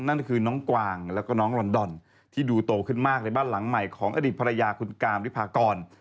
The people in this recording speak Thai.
นั่นก็คือน้องกวางแล้วก็น้องลอนดอนที่ดูโตขึ้นมากในบ้านหลังใหม่ของอดีตภรรยาคุณกามวิพากร